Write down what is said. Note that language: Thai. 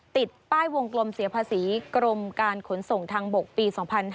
ติดป้ายวงกลมเสียภาษีกรมการขนส่งทางบกปี๒๕๕๙